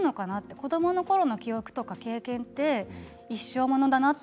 子どものころの記憶とか経験って一生ものだなって